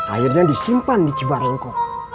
akhirnya disimpan di cibarengko